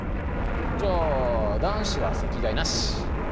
じゃあ男子は席替えなし！